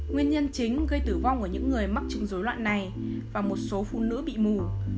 nguyên nhân chính gây tử vong ở những người mắc chứng dối loạn này và một số phụ nữ bị mù